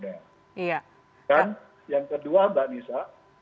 dan yang kedua mbak nisa